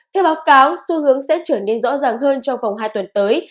theo báo cáo xu hướng sẽ trở nên rõ ràng hơn trong vòng hai tuần tới